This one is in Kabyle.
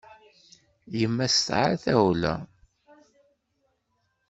Yemma tesɛa tawla.